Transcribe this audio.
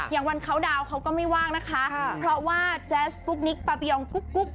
อย่างวันเขาดาวน์เขาก็ไม่ว่างนะคะเพราะว่าแจ๊สกุ๊กนิกปาปิยองกุ๊ก